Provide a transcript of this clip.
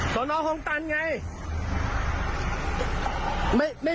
สอนอคลองตันไง